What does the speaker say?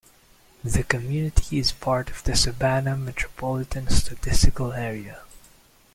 The community is part of the Savannah Metropolitan Statistical Area.